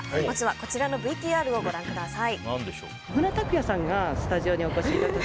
こちらのＶＴＲご覧ください。